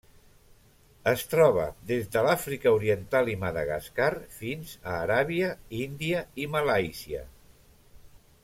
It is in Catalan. Es troba des de l'Àfrica Oriental i Madagascar fins a Aràbia, Índia i Malàisia.